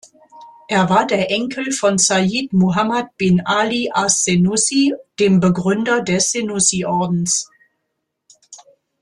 Er war der Enkel von Sayyid Muhammad bin 'Ali as-Senussi, dem Begründer des Senussi-Ordens.